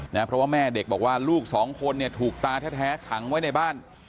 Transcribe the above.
เพราะว่าแม่เด็กบอกว่าลูกสองคนเนี่ยถูกตาแท้ขังไว้ในบ้าน